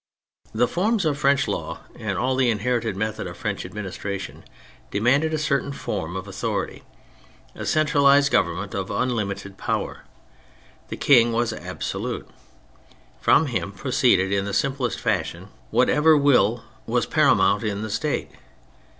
The forms of French law and all the in herited method of French administration demanded a certain form of authority : a centralised government of unlimited power. The King was absolute. From him proceeded in the simplest fashion whatever will was paramount in the State.